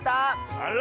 あら！